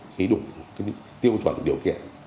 khi đủ tiêu chuẩn điều kiện